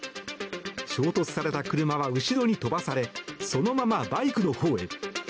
衝突された車は後ろに飛ばされそのままバイクのほうへ。